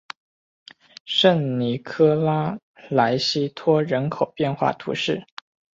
圣尼科拉莱西托人口变化图示